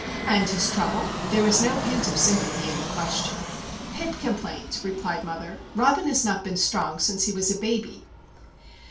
"And his trouble?" There was no hint of sympathy in the question. "Hip complaint," replied mother. "Robin has not been strong since he was a baby."